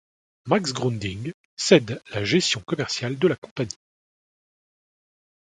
Max Grundig cède la gestion commerciale de la compagnie.